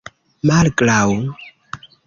malgraŭ